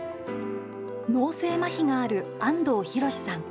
脳性まひがある安東博さん。